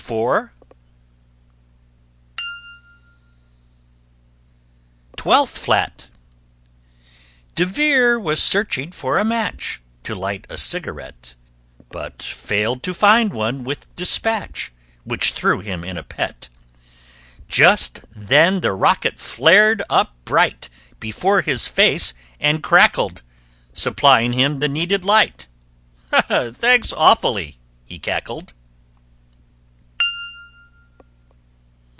[Illustration: ELEVENTH FLAT] TWELFTH FLAT De Vere was searching for a match To light a cigarette, But failed to find one with despatch, Which threw him in a pet. Just then the rocket flared up bright Before his face and crackled, Supplying him the needed light "Thanks, awfully," he cackled.